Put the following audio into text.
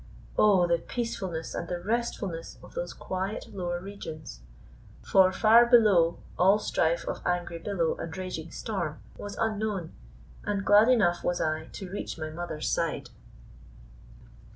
Oh, the peacefulness and the restfulness of those quiet lower regions! For far below, all strife of angry billow and raging storm was unknown, and glad enough was I to reach my mother's side.